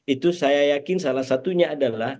itu saya yakin salah satunya adalah